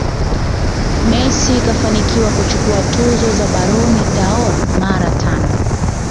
Messi kafanikiwa kuchukua tuzo za Ballon dâOr mara tano